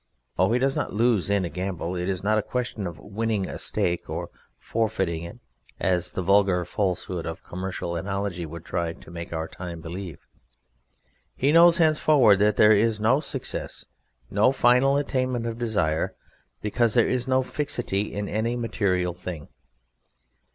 Oh, he does not lose in a gamble! It is not a question of winning a stake or forfeiting it, as the vulgar falsehood of commercial analogy would try to make our time believe. He knows henceforward that there is no success, no final attainment of desire, because there is no fixity in any material thing.